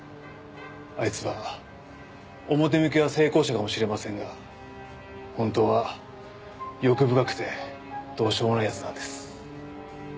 あいつは表向きは成功者かもしれませんが本当は欲深くてどうしようもない奴なんです。